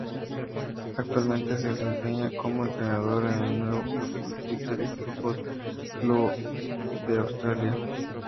Actualmente se desempeña como entrenador en el Melbourne Victory Football Club de australia.